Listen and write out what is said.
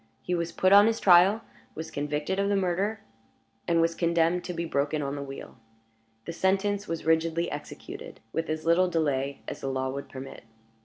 He was put on his trial, was convicted of the murder, and was condemned to be broken on the wheel. The sentence was rigidly executed, with as little delay as the law would permit.